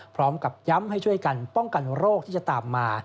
พร้อมกับย้ำให้ช่วยกันป้องกันโรคที่จะตามมา